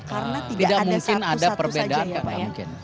karena tidak ada satu satu saja ya pak ya